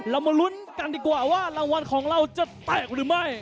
มาลุ้นกันดีกว่าว่ารางวัลของเราจะแตกหรือไม่